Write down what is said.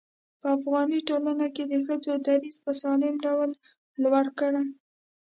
په افغاني ټولنه کې د ښځو دريځ په سالم ډول لوړ کړي.